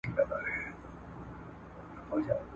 د بادار کور ..